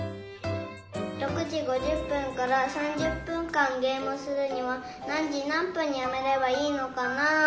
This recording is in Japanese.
６時５０分から３０分間ゲームをするには何時何分にやめればいいのかな？